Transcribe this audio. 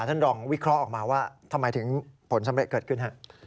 ท่านรองวิเคราะห์ออกมาว่าทำไมถึงผลสำเร็จเกิดขึ้นฮะ